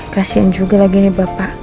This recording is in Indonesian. kasian juga lagi nih bapak